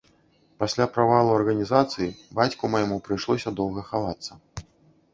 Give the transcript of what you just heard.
Пасля правалу арганізацыі бацьку майму прыйшлося доўга хавацца.